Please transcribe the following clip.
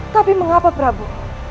tapi mengapa prabu